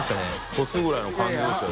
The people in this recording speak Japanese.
超すぐらいの感じでしたよ。